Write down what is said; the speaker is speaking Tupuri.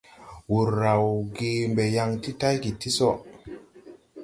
Wūr raw ge mbe yaŋ ti tayge tii so.